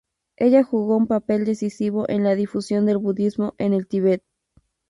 Ella jugó un papel decisivo en la difusión del budismo en el Tíbet.